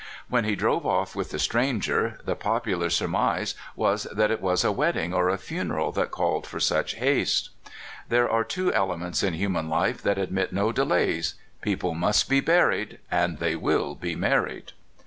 When he drove off with the stranger, the popular surmise was that it was a wedding or a funeral that called for such haste. There are two events in human life that admit no delays: people must be buried, and they will be married.